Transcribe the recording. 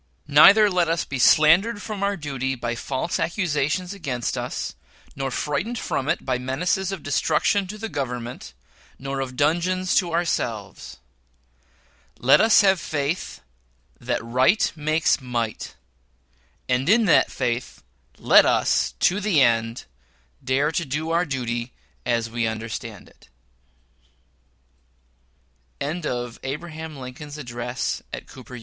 Neither let us be slandered from our duty by false accusations against us, nor frightened from it by menaces of destruction to the Government nor of dungeons to ourselves. LET US HAVE FAITH THAT RIGHT MAKES MIGHT, AND IN THAT FAITH LET US, TO THE END, DARE TO DO OUR DUTY AS WE UNDERSTAND IT. SPEECH AT NEW HAVEN, CONNECTICUT, MARCH 6, 1860 MR.